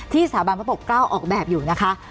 สถาบันพระปกเกล้าออกแบบอยู่นะคะ